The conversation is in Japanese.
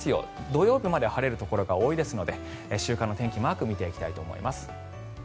土曜日まで晴れるところがありますので週間天気マークで見ていきます。